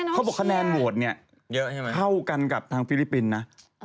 เขาบอกว่าคะแนนโหวตเนี่ยเท่ากันกับทางฟิลิปปินซ์นะ